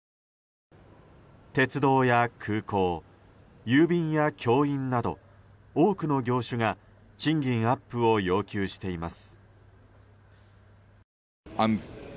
鉄道や空港、郵便や教員など多くの業種が賃金アップを要求しています。